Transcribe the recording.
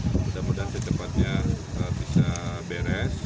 mudah mudahan secepatnya bisa beres